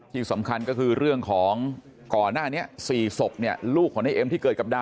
ที่สำคัญก็คือเรื่องของก่อนหน้านี้๔ศพเนี่ยลูกของในเอ็มที่เกิดกับดา